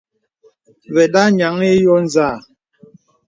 Və̀da nyaŋ ǐ yo nzâ.